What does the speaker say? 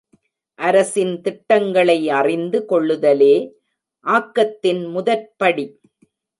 அரசின் திட்டங்களை அறிந்து கொள்ளுதலே ஆக்கத்தின் முதற்படி.